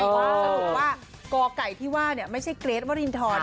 สรุปว่ากไก่ที่ว่าไม่ใช่เกรทวรินทร